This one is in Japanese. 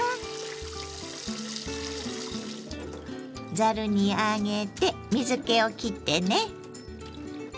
ざるに上げて水けをきってね。